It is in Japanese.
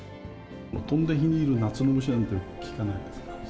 飛んで火にいる夏の虫なんて聞かないですか？